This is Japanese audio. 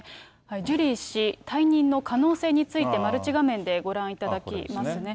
ジュリー氏、退任の可能性についてマルチ画面でご覧いただきますね。